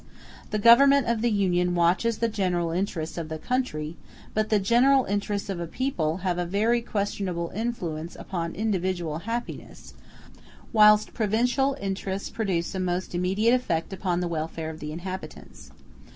The Government of the Union watches the general interests of the country; but the general interests of a people have a very questionable influence upon individual happiness, whilst provincial interests produce a most immediate effect upon the welfare of the inhabitants.